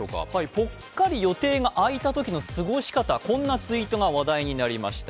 ぽっかり予定が空いたときの過ごし方、こんなツイートが話題になりました。